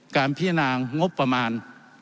การพิจารณางบประมาณ